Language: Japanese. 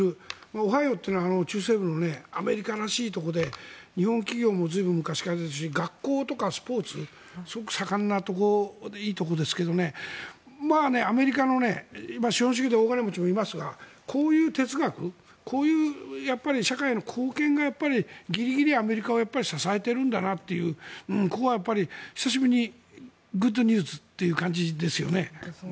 オハイオっていうのは中西部のアメリカらしいところで日本企業も随分昔からいるし学校とかスポーツすごく盛んなところでいいところですけどねアメリカの正直言うと大金持ちもいますがこういう哲学がギリギリ、アメリカを支えているんだなというここはやっぱり、久しぶりにグッドニュースという感じですよね。